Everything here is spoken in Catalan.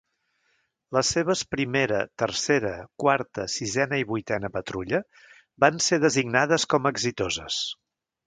Les seves primera, tercera, quarta, sisena i vuitena patrulla van ser designades com a exitoses.